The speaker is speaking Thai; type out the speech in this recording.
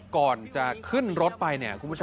ก่อนนี่จะขึ้นรถไป